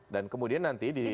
dan kemudian nanti di